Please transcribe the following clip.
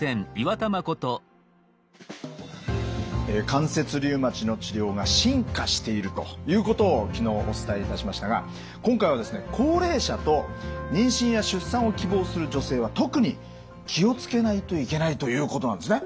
関節リウマチの治療が進化しているということを昨日お伝えいたしましたが今回はですね高齢者と妊娠や出産を希望する女性は特に気を付けないといけないということなんですね？